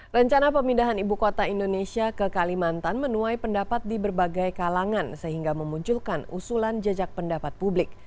rencana pemindahan ibu kota indonesia ke kalimantan menuai pendapat di berbagai kalangan sehingga memunculkan usulan jejak pendapat publik